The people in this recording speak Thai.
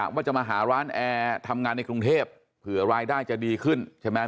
ว่าจะมาหาร้านแอร์ทำงานในกรุงเทพเผื่อรายได้จะดีขึ้นใช่ไหม